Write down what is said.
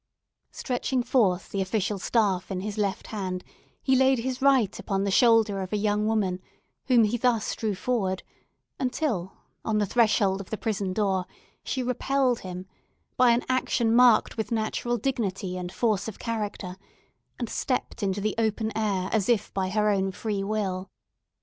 Stretching forth the official staff in his left hand, he laid his right upon the shoulder of a young woman, whom he thus drew forward, until, on the threshold of the prison door, she repelled him, by an action marked with natural dignity and force of character, and stepped into the open air as if by her own free will.